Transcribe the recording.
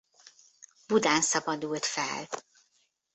Budán szabadult fel.